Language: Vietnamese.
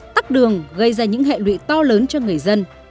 tắt đường gây ra những hệ lụy to lớn cho người dân